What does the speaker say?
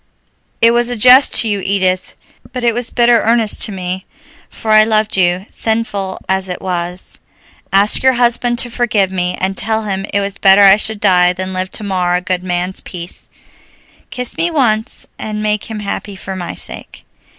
"It was a jest to you, Edith, but it was bitter earnest to me, for I loved you, sinful as it was. Ask your husband to forgive me, and tell him it was better I should die than live to mar a good man's peace. Kiss me once, and make him happy for my sake."